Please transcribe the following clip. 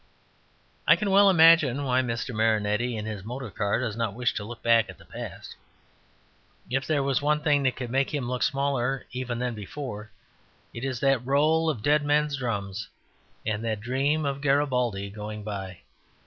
I can well imagine why Mr. Marinetti in his motor car does not wish to look back at the past. If there was one thing that could make him look smaller even than before it is that roll of dead men's drums and that dream of Garibaldi going by.